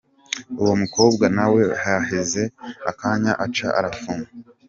Uwo mukobwa nawe haheze akanya aca arafungwa.